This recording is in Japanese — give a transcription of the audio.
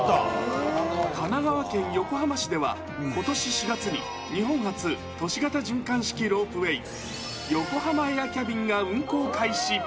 神奈川県横浜市では、ことし４月に日本初、都市型循環式ロープウエー、ヨコハマエアキャビンが運行開始。